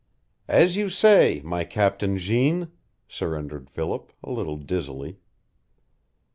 "As you say my Captain Jeanne," surrendered Philip, a little dizzily.